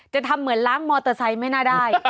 จะทำเหมือนล้างมอเตอร์ไซค์ไม่น่าได้